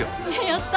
やった！